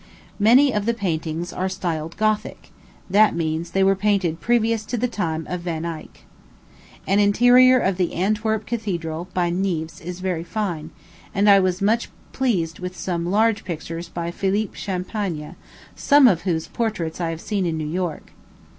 Many of the paintings are styled Gothic; that means they were painted previous to the time of Van Eyck. An interior of the Antwerp Cathedral, by Neefs, is very fine; and I was much pleased with some large pictures by Philippe Champagne, some' of whose portraits I have seen in New York.